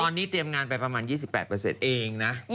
ตอนนี้เตรียมงานไปประมาณ๒๘เองนะ